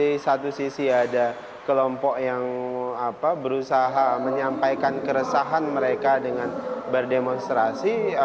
di satu sisi ada kelompok yang berusaha menyampaikan keresahan mereka dengan berdemonstrasi